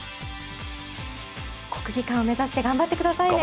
国技館を目指して頑張って下さいね。